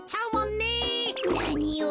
なにを！